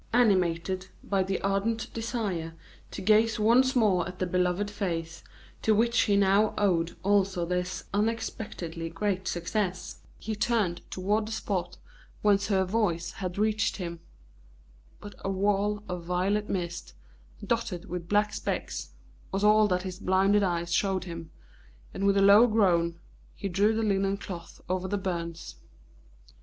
Animated by the ardent desire to gaze once more at the beloved face, to which he now owed also this unexpectedly great success, he turned toward the spot whence her voice had reached him; but a wall of violet mist, dotted with black specks, was all that his blinded eyes showed him, and with a low groan he drew the linen cloth over the burns.